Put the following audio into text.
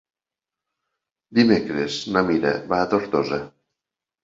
Dimecres na Mira va a Tortosa.